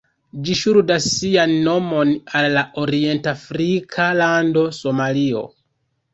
Ĝi ŝuldas sian nomon al la orient-afrika lando Somalio.